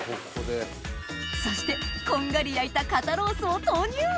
そしてこんがり焼いた肩ロースを投入